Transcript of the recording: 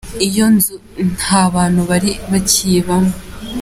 Iyo nzu nta bantu bari bakiyibamo.